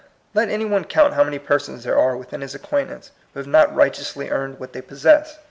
Let any one count how many persons there are within his acquaint ance who have not righteously earned what they possess.